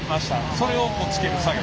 それをつける作業。